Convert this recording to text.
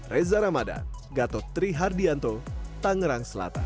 reza ramadan gatot trihardianto tangerang selatan